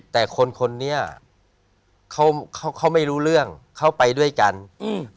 แต่คนคนนี้เขาเขาไม่รู้เรื่องเขาไปด้วยกันอืม